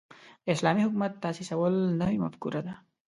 د اسلامي حکومت تاسیسول نوې مفکوره ده.